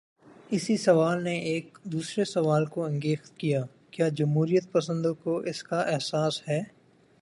اسی سوال نے ایک دوسرے سوال کو انگیخت کیا: کیا جمہوریت پسندوں کو اس کا احساس ہے؟